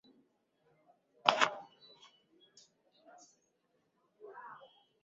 সামরিক পরিষেবা শেষ করার পরে, রাহমান তার নিজের গ্রামে ফিরে আসেন যেখানে তিনি কিছু সময়ের জন্য বৈদ্যুতিক কাজ করেছিলেন।